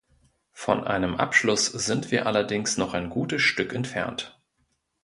Von einem Abschluss sind wir allerdings noch ein gutes Stück entfernt.